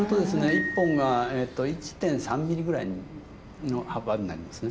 １本が１．３ミリぐらいの幅になりますね。